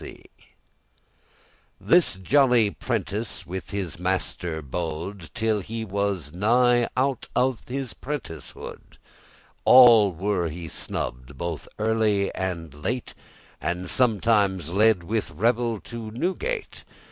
*at variance This jolly prentice with his master bode, Till he was nigh out of his prenticehood, All were he snubbed* both early and late, *rebuked And sometimes led with revel to Newgate.